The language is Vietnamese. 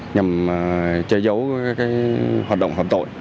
nhằm chơi dấu các hoạt động hợp tội